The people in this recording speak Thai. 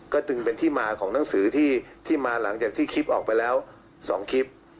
ก็จึงเป็นที่มาของหนังสือที่มาหลังจากที่คลิปออกไปแล้ว๒คลิป